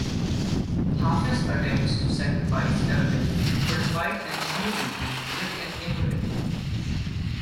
Hafez attempts to sacrifice Evelyn but a fight ensues between Rick and Imhotep.